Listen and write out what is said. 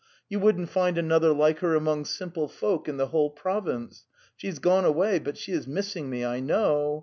You wouldn't find another like her among simple folk in the whole province. She has gone away. ... But she is missing me, I kno ow!